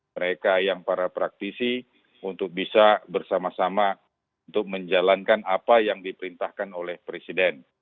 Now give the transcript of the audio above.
mereka yang para praktisi untuk bisa bersama sama untuk menjalankan apa yang diperintahkan oleh presiden